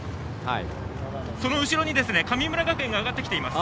その後ろに神村学園が上がってきています。